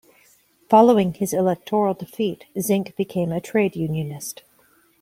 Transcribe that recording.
Following his electoral defeat, Zinck became a trade unionist.